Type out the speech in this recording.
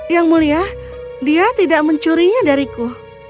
yang mulia dia tidak mencurinya dariku